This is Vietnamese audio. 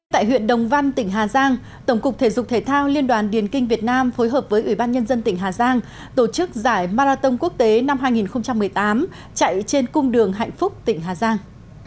tại huyện đồng văn tỉnh hà giang tổng cục thể dục thể thao liên đoàn điền kinh việt nam phối hợp với ủy ban nhân dân tỉnh hà giang tổ chức giải marathon quốc tế năm hai nghìn một mươi tám chạy trên cung đường hạnh phúc tỉnh hà giang